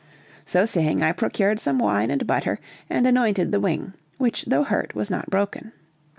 So saying, I procured some wine and butter and anointed the wing, which though hurt was not broken.